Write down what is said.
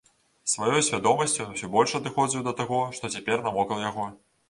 Сваёй свядомасцю ён усё больш адыходзіў да таго, што цяпер навокал яго.